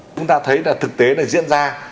chúng ta thấy là thực tế này diễn ra